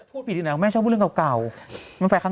พูดผิดทีนะของแม่ชอบพูดเรื่องเก่าเก่า